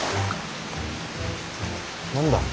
何だ？